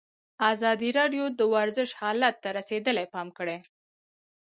ازادي راډیو د ورزش حالت ته رسېدلي پام کړی.